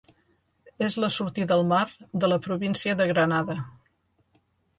És la sortida al mar de la província de Granada.